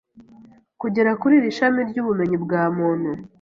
kugera kuri iri shami ry'ubumenyi bwa muntu.